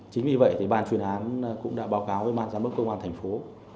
chính vì vậy thì ban chuyên án cũng đã báo cáo với ban giám đốc công an thành phố